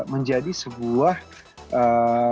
menjadi sebuah cerita film yang terbit sejak tahun lima puluh an